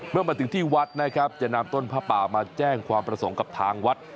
เมื่อมาถึงที่วัดนะครับจะนำต้นผ้าป่ามาแจ้งความประสงค์กับทางวัด